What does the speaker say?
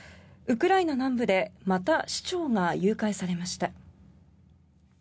ウクライナ南部でまた市長が誘拐されました。